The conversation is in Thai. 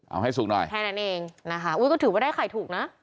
เอาให้สูงหน่อยแค่นั้นเองนะคะอุ้ยก็ถือว่าได้ไข่ถูกนะ